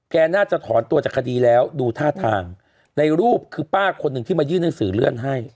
น่าจะถอนตัวจากคดีแล้วดูท่าทางในรูปคือป้าคนหนึ่งที่มายื่นหนังสือเลื่อนให้